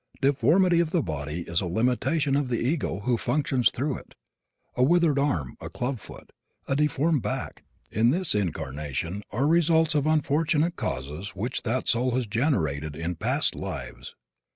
Deformity of the body is a limitation of the ego who functions through it. A withered arm, a club foot, a deformed back, in this incarnation are results of unfortunate causes which that soul has generated in past lives.